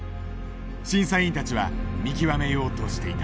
審査委員たちは見極めようとしていた。